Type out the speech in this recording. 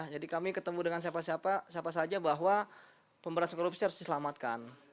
jadi kami ketemu dengan siapa siapa siapa saja bahwa pemberanian korupsi harus diselamatkan